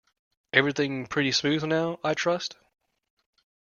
Everything pretty smooth now, I trust?